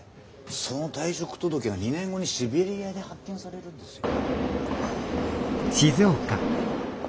その退職届が２年後にシベリアで発見されるんですよ。